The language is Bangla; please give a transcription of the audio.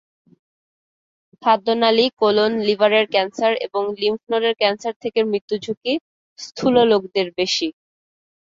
খাদ্যনালি, কোলন, লিভারের ক্যানসার এবং লিস্ফনোডের ক্যানসার থেকে মৃত্যুঝুঁকি স্থূল লোকদের বেশি।